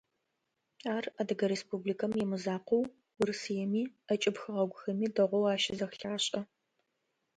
Ар Адыгэ Республикэм имызакъоу Урысыеми, ӏэкӏыб хэгъэгухэми дэгъоу ащызэлъашӏэ.